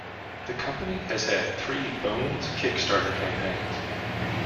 The company has had three "Bones" Kickstarter campaigns.